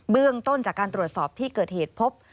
เบื้องต้นจากการตรวจสอบที่เกิดเหตุพบ